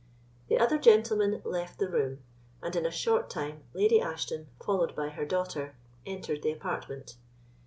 The other gentlemen left the room, and in a short time Lady Ashton, followed by her daughter, entered the apartment.